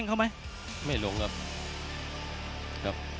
นักมวยจอมคำหวังเว่เลยนะครับ